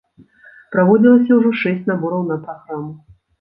Праводзілася ўжо шэсць набораў на праграму.